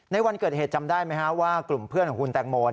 ในวันเกิดเหตุจำได้ไหมว่ากลุ่มเพื่อนของคุณแตงโม